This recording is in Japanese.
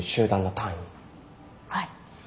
はい。